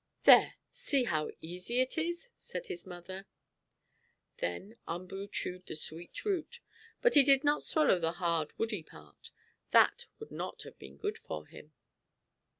"There! See how easy it is!" said his mother. Then Umboo chewed the sweet root, but he did not swallow the hard, woody part. That would not have been good for him.